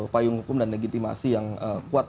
payung hukum dan legitimasi yang kuat